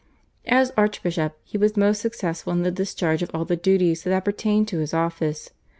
As archbishop he was most successful in the discharge of all the duties that appertained to his office.